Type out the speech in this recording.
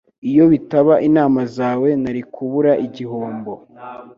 Iyo bitaba inama zawe, nari kubura igihombo.